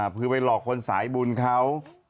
คือไปหลอกคนสายบุญเขา